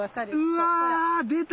うわ出た！